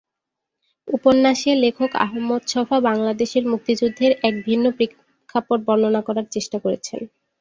উপন্যাসে লেখক আহমেদ ছফা বাংলাদেশের মুক্তিযুদ্ধের এক ভিন্ন প্রেক্ষাপট বর্ণনা করার চেষ্টা করেছেন।